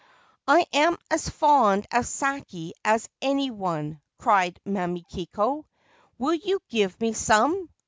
* I am as fond of sake as any one,' cried Mamikiko : 4 will you give me some